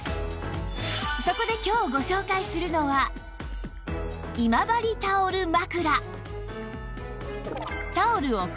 そこで今日ご紹介するのは今治タオル枕